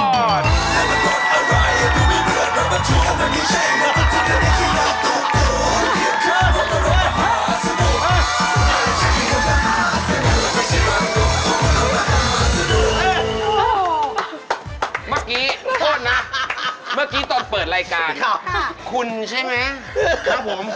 เมื่อกี้โทษนะเมื่อกี้ตอนเปิดรายการคุณใช่ไหมครับผม